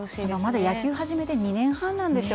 まだ野球を始めて２年半なんですよ。